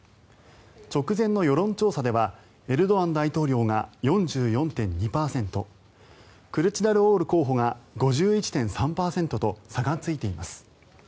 直前の世論調査ではエルドアン大統領が４４．２％クルチダルオール候補が５１．３％と差がついています。